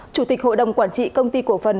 chủ tịch hội đồng quản trị công ty cổ phần